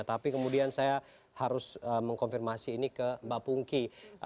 tapi kemudian saya harus mengkonfirmasi ini ke mbak pungki